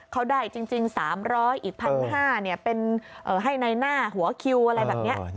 เขาได้จริง๓๐๐อีก๑๕๐๐เป็นให้ในหน้าหัวคิวอะไรแบบนี้